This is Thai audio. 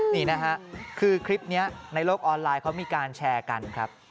นี่นะฮะคือคลิปนี้ในโลกออนไลน์เขามีการแชร์กันครับ